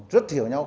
rất hiểu nhau